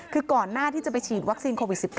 คือก่อนหน้าที่จะไปฉีดวัคซีนโควิด๑๙